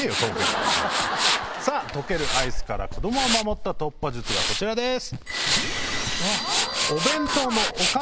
溶けるアイスから子供を守った突破術がこちらです！